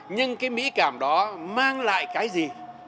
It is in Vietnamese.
nhưng cái mỹ cảm đó mang lại cái gì